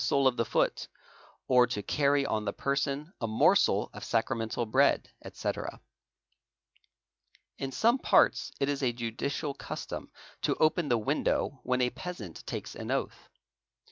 sole of the foot, or to | zarry on the person a morsel of sacramental bread, etc. . Pa In some parts it is a judicial custom to open the window when a "peasant takes an oath.